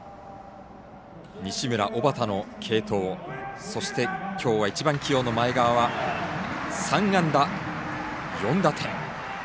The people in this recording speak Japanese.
西村、小畠の継投そしてきょうは１番起用の前川は３安打４打点。